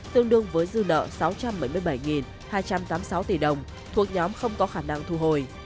tương đương với dư nợ sáu trăm bảy mươi bảy hai trăm tám mươi sáu tỷ đồng thuộc nhóm không có khả năng thu hồi